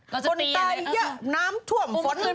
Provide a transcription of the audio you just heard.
คนตายเยอะน้ำท่วมฝน